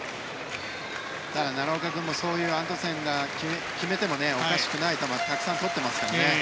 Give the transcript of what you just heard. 奈良岡君もアントンセンが決めてもおかしくない球をたくさんとってますからね。